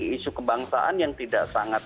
isu kebangsaan yang tidak sangat